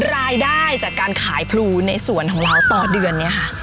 รายได้จากการขายพลูในสวนของเราต่อเดือนเนี่ยค่ะ